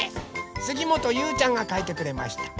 すぎもとゆうちゃんがかいてくれました。